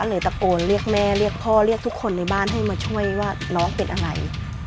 ตะโกนเรียกแม่เรียกพ่อเรียกทุกคนในบ้านให้มาช่วยว่าน้องเป็นอะไร